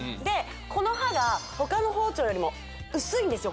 この刃がほかの包丁よりも薄いんですよ